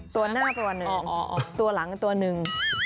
ตัวหน้าตัวหนึ่งตัวหลังตัวหนึ่ง